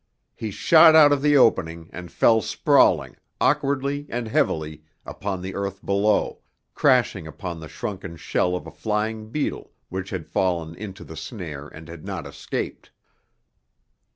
He shot out of the opening and fell sprawling, awkwardly and heavily, upon the earth below, crashing upon the shrunken shell of a flying beetle which had fallen into the snare and had not escaped.